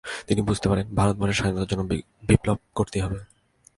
তিনি বুঝতে পারেন, ভারতবর্ষের স্বাধীনতার জন্য বিপ্লব করতেই হবে।